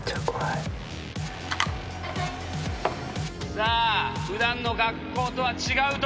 さあ普段の学校とは違うところ。